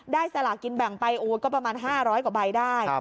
สลากินแบ่งไปก็ประมาณ๕๐๐กว่าใบได้